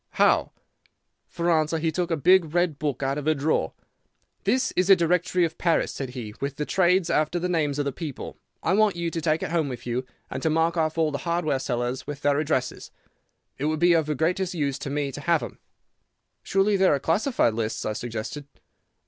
"'How?' "For answer, he took a big red book out of a drawer. "'This is a directory of Paris,' said he, 'with the trades after the names of the people. I want you to take it home with you, and to mark off all the hardware sellers, with their addresses. It would be of the greatest use to me to have them.' "'Surely there are classified lists?' I suggested.